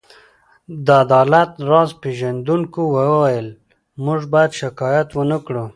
د عدالت راز پيژندونکو وویل: موږ باید شکایت ونه کړو.